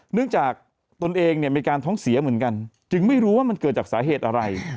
เนื่องจากตนเองเนี่ยมีการท้องเสียเหมือนกันจึงไม่รู้ว่ามันเกิดจากสาเหตุอะไร